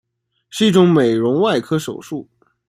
是一种美容外科手术。